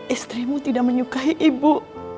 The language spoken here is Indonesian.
istrimu tidak menyukai ibu